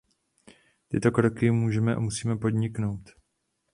Tyto kroky můžeme a musíme podniknout.